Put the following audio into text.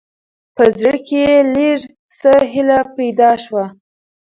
په زړه، کې يې لېږ څه هېله پېدا شوه.